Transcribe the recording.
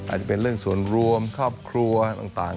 อาจจะเป็นเรื่องส่วนรวมครอบครัวต่าง